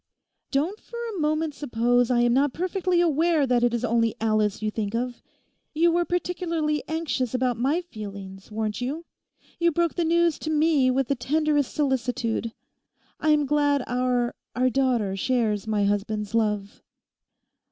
'Don't for a moment suppose I am not perfectly aware that it is only Alice you think of. You were particularly anxious about my feelings, weren't you? You broke the news to me with the tenderest solicitude. I am glad our—our daughter shares my husband's love.